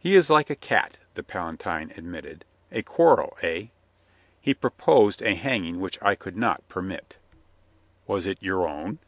"He is like a cat," the Palatine admitted. "A quarrel, eh?" "He proposed a hanging which I could not per mit." "Was it your own?"